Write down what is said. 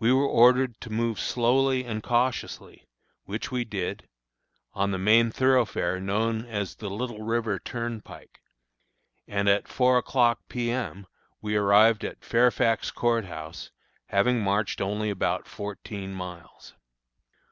We were ordered to move slowly and cautiously, which we did, on the main thoroughfare known as the Little River Turnpike, and, at four o'clock, P. M., we arrived at Fairfax Court House, having marched only about fourteen miles.